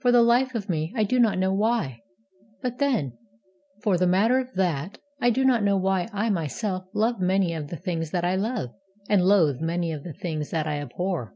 For the life of me, I do not know why. But then, for the matter of that, I do not know why I myself love many of the things that I love, and loathe many of the things that I abhor.